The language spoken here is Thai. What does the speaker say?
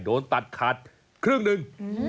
โดยตัดขัดเครื่องหนึ่ง